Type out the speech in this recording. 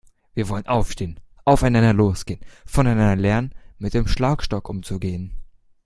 Wir wollen aufstehen, aufeinander losgehen, voneinander lernen, mit dem Schlagstock umzugehen.